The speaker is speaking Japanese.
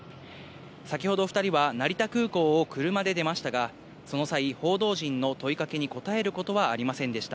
先ほど、２人は成田空港を車で出ましたが、その際、報道陣の問いかけに応えることはありませんでした。